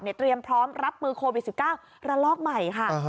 เตรียมพร้อมรับมือโควิด๑๙ระลอกใหม่ค่ะ